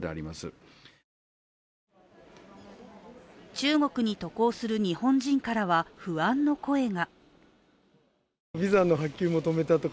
中国に渡航する日本人からは、不安の声が。